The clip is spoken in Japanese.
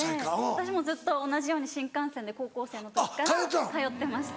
私もずっと同じように新幹線で高校生の時から通ってました。